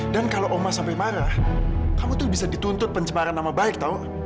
dan kalau omah sampai marah kamu tuh bisa dituntut pencemaran nama baik tahu